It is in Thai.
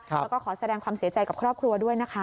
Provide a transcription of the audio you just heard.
แล้วก็ขอแสดงความเสียใจกับครอบครัวด้วยนะคะ